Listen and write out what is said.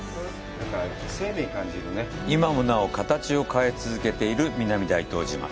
今もなお形を変え続けている南大東島。